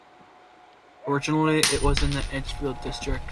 Originally it was in the Edgefield District.